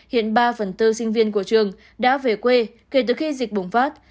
hiện ba phần tư sinh viên của trường đã về quê kể từ khi dịch bùng phát